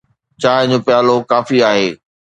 چانهه جو پيالو ڪافي آهي.